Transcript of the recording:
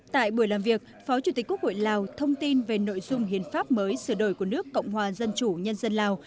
tại buổi làm việc phó chủ tịch quốc hội lào thông tin về nội dung hiến pháp mới sửa đổi của nước cộng hòa dân chủ nhân dân lào